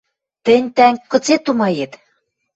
— Тӹнь, тӓнг, кыце тумает?..